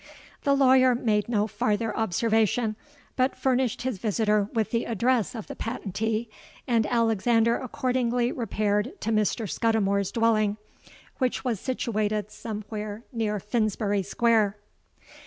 '—The lawyer made no farther observation, but furnished his visitor with the address of the patentee; and Alexander accordingly repaired to Mr. Scudimore's dwelling, which was situated somewhere near Finsbury Square.